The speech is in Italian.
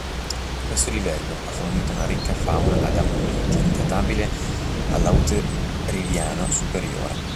Questo livello ha fornito una ricca fauna ad ammoniti databile all'Hauteriviano superiore.